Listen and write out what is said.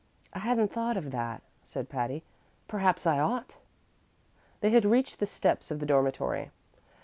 "I hadn't thought of that," said Patty; "perhaps I ought." They had reached the steps of the dormitory.